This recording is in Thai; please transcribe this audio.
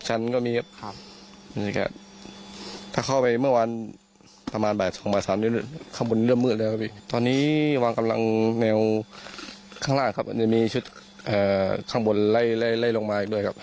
จะมีชุดข้างบนไล่ลงมาอีกด้วยครับ